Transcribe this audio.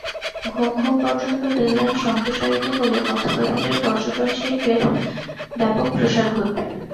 ঘুমধুম পর্যন্ত rail line সম্প্রসারিত হলে কক্সবাজারের পর্যটনশিল্পের ব্যাপক প্রসার ঘটবে।